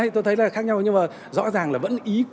tôi thấy là khác nhau nhưng mà rõ ràng là vẫn ý